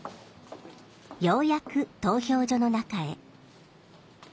ようやく投票所の中へ。